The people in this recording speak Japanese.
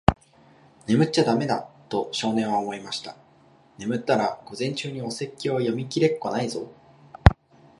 「眠っちゃだめだ。」と、少年は思いました。「眠ったら、午前中にお説教は読みきれっこないぞ。」